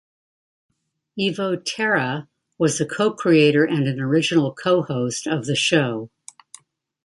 Evo Terra was a co-creator and an original co-host of the show.